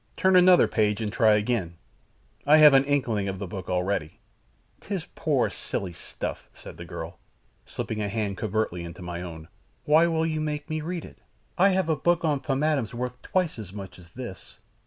Turn another page, and try again; I have an inkling of the book already." "'Tis poor, silly stuff," said the girl, slipping a hand covertly into my own. "Why will you make me read it? I have a book on pomatums worth twice as much as this."